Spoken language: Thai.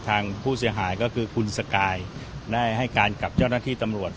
ทางผู้เสียหายก็คือคุณสกายได้ให้การกับเจ้าหน้าที่ตำรวจ